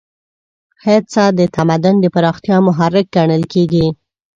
هڅه د تمدن د پراختیا محرک ګڼل کېږي.